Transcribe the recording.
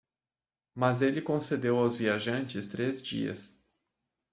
Mas ele concedeu aos viajantes três dias.